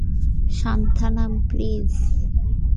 Santhanam, please.